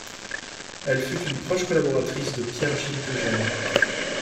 Elle fut une proche collaboratrice de Pierre-Gilles de Gennes.